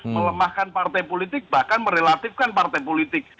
melemahkan partai politik bahkan merelatifkan partai politik